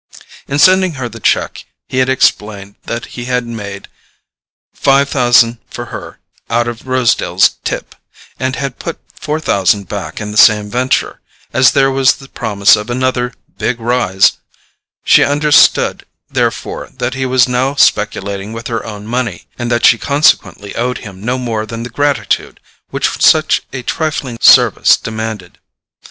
In sending her the cheque he had explained that he had made five thousand for her out of Rosedale's "tip," and had put four thousand back in the same venture, as there was the promise of another "big rise"; she understood therefore that he was now speculating with her own money, and that she consequently owed him no more than the gratitude which such a trifling service demanded.